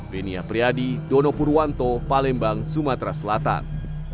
benia priadi dono purwanto palembang sumatera selatan